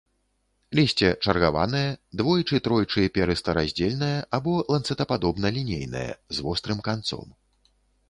Лісце чаргаванае, двойчы-тройчы перыстараздзельнае або ланцэтападобна-лінейнае, з вострым канцом.